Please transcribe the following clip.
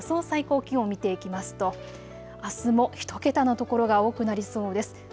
最高気温見ていきますとあすも１桁の所が多くなりそうです。